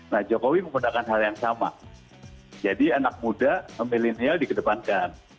nah jokowi menggunakan hal yang sama jadi anak muda milenial dikedepankan